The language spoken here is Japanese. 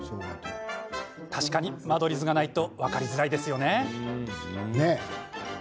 確かに間取り図がないと分かりづらいですよね。